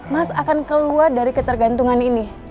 mas akan keluar dari ketergantungan ini